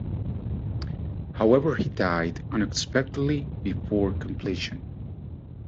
However he died unexpectedly before completion.